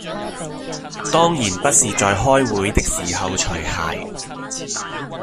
當然不是在開會的時候除鞋